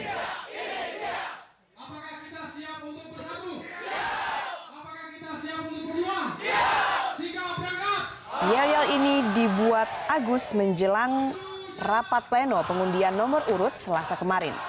yel ini dibuat agus menjelang rapat pleno pengundian nomor urut selasa kemarin